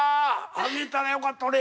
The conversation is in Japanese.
あげたらよかった俺。